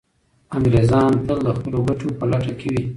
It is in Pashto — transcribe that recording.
انګریزان تل د خپلو ګټو په لټه کي وي.